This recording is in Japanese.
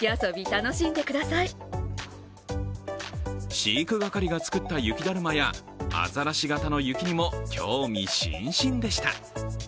飼育係が作った雪だるまやあざらし形の雪にも興味津々でした。